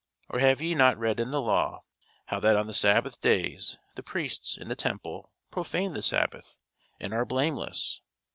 Or have ye not read in the law, how that on the sabbath days the priests in the temple profane the sabbath, and are blameless?